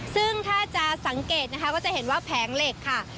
ซึ่งถ้าจะสังเกตนะคะก็จะเห็นว่าแผงเหล็กค่ะ